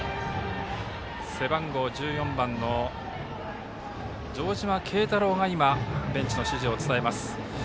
背番号１４番の城島慶太郎がベンチの指示を伝えます。